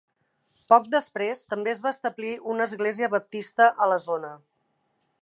Poc després també es va establir una església baptista a la zona.